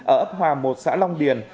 ở ấp hòa một xã long điền